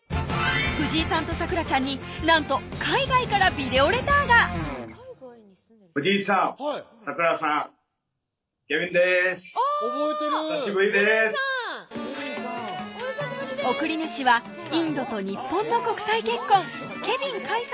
藤井さんと咲楽ちゃんになんと海外からビデオレターが送り主はインドと日本の国際結婚